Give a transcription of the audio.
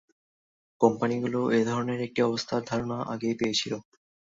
কোম্পানিগুলো এধরনের একটি অবস্থার ধারণা আগেই পেয়েছিল।